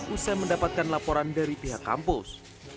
usai mendapatkan laporan dari pihak kampus